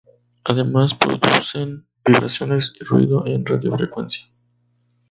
Además producen vibraciones y ruido en radiofrecuencia.